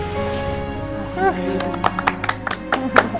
terima kasih mama